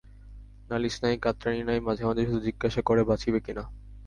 নালিশ নাই, কাতরানি নাই, মাঝে মাঝে শুধু জিজ্ঞাসা করে বাঁচিবে কি না।